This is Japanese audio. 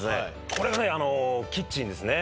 これがねあのキッチンですね